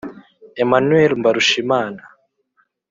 Emmanuel Mbarushimana